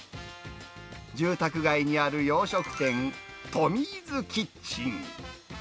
住宅街にある洋食店、トミーズキッチン。